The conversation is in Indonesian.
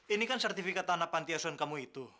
ini kan sertifikat tanah panti asuhan kamu itu